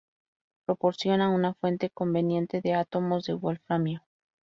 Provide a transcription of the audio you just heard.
Proporciona una fuente conveniente de átomos de wolframio.